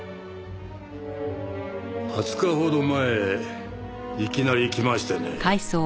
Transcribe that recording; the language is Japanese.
２０日ほど前いきなり来ましてね。